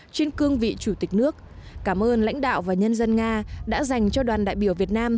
trên cương vị chủ tịch nước cảm ơn lãnh đạo và nhân dân nga đã dành cho đoàn đại biểu việt nam